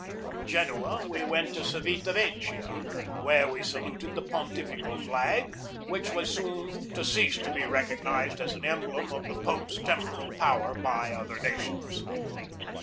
From Genoa we went to Civita Vecchia, 30 GEORGE DEWEY where we saluted the Pontifical flag, which was soon to cease to be recognized as an emblem of the Pope's temporal power by other nations.